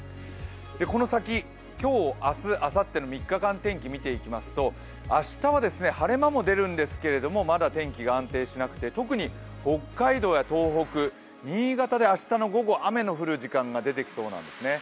この先、今日、明日、あさっての３日間天気を見ていきますと明日は晴れ間も出るんですけれども、まだ天気が安定してなくて特に北海道や東北、新潟で明日の午後雨の降る時間が出てきそうなんですね。